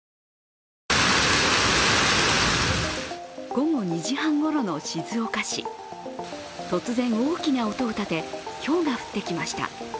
午後２時半ごろの静岡市、突然大きな音を立てひょうが降ってきました。